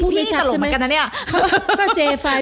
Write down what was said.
พี่ชอบเหมือนกันนะเนี่ย